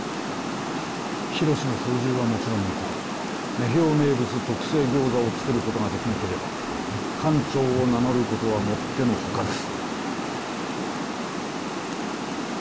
緋炉詩の操縦はもちろんのこと女豹名物特製ギョーザを作ることができなければ艦長を名乗ることはもっての外です。